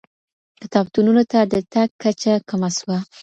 کتابتونونو ته د تګ کچه کمه سوه.